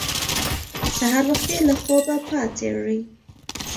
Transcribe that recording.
سهار وختي له خوبه پاڅېږئ.